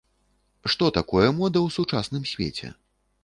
Што такое мода ў сучасным свеце?